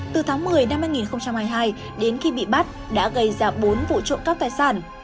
từ tháng một mươi năm hai nghìn hai mươi hai đến khi bị bắt đã gây ra bốn vụ trộm cắp tài sản